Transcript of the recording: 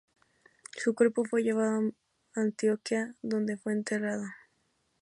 Su cuerpo fue llevado a Antioquía donde fue enterrado.